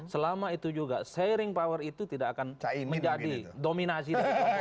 selama itu juga sharing power itu tidak akan menjadi dominasi